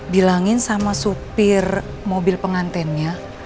bilangin sama supir mobil pengantennya